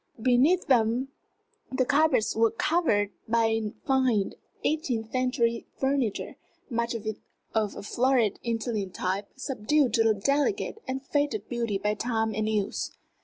Beneath them the carpets were covered by fine eighteenth century furniture, much of it of a florid Italian type subdued to a delicate and faded beauty by time and use.